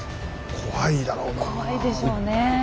怖いでしょうね。